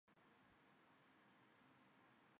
泡眼蝶属是蛱蝶科眼蝶亚科络眼蝶族中的一个属。